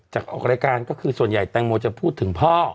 ออกรายการก็คือส่วนใหญ่แตงโมจะพูดถึงพ่อ